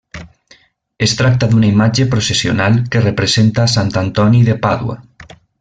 Es tracta d'una imatge processional que representa a sant Antoni de Pàdua.